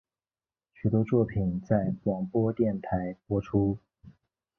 许多作品在广播电台播出。